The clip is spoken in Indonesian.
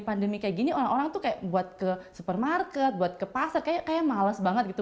pandemi kayak gini orang orang tuh kayak buat ke supermarket buat ke pasar kayak males banget gitu